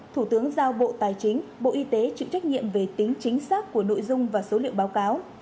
thủ tướng giao bộ tài chính bộ y tế chịu trách nhiệm về tính chính xác của nội dung và số liệu báo cáo